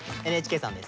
ＮＨＫさんです。